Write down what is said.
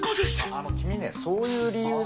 あのキミねそういう理由で。